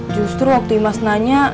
justru waktu imas nanya